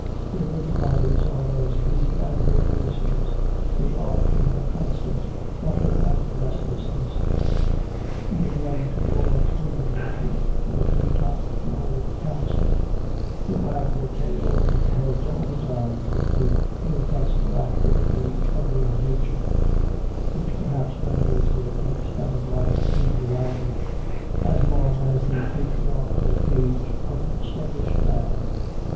Their little bodies are as busy as their voices; they are in a constant flutter and restlessness. Even when two or three retreat to a tree top to hold council, they wag their tails and heads all the time with the irrepressible activity of their nature, which perhaps renders their brief span of life in reality as long as the patriarchal age of sluggish man.